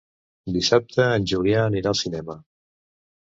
Dissabte en Julià anirà al cinema.